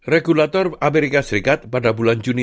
regulator amerika serikat pada bulan juni